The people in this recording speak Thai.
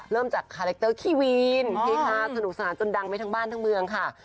เริ่มจากคาแรคเตอร์คีวีนสนุกสนานจนดังไปทั้งบ้านทั้งเมืองค่ะ